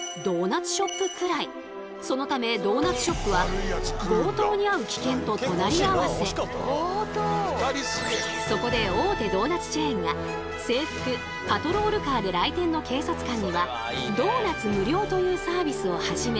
それではそう！というのもそのためそこで大手ドーナツチェーンが制服・パトロールカーで来店の警察官にはドーナツ無料というサービスを始め